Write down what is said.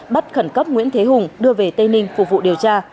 bắt khẩn cấp nguyễn thế hùng đưa về tây ninh phục vụ điều tra